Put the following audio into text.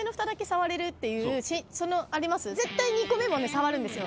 絶対２個目も触るんですよ